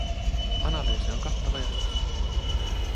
Analyysi on kattava ja hyvä.